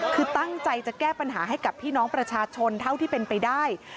คือตั้งใจจะแก้ปัญหาให้กับพี่น้องประชาชนเท่าที่เป็นไปได้